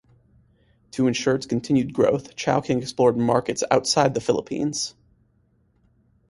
To ensure its continued growth, Chowking explored markets outside the Philippines.